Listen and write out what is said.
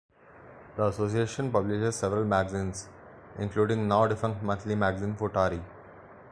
The association publishes several magazines, including now-defunct monthly magazine "Futari".